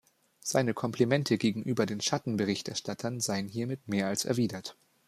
Seine Komplimente gegenüber den Schattenberichterstattern seien hiermit mehr als erwidert.